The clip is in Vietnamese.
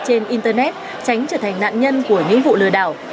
trên internet tránh trở thành nạn nhân của những vụ lừa đảo